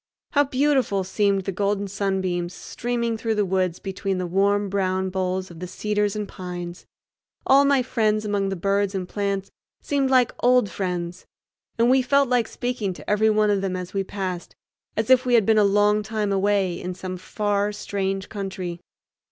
How beautiful seemed the golden sunbeams streaming through the woods between the warm brown boles of the cedars and pines! All my friends among the birds and plants seemed like old friends, and we felt like speaking to every one of them as we passed, as if we had been a long time away in some far, strange country.